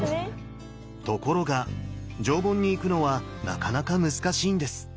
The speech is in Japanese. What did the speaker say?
ところが上品に行くのはなかなか難しいんです。